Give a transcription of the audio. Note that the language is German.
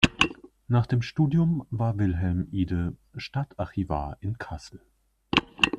Nach dem Studium war Wilhelm Ide Stadtarchivar in Kassel.